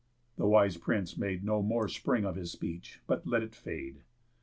The wise prince made No more spring of his speech, but let it fade.